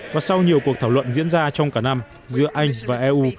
và sau nhiều cuộc thảo luận diễn ra trong cả năm giữa anh và eu